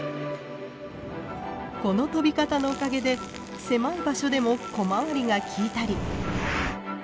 この飛び方のおかげで狭い場所でも小回りが利いたり。